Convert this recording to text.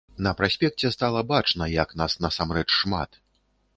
На праспекце стала бачна, як нас насамрэч шмат.